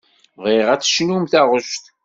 Bɣiɣ ad d-tecnum taɣect.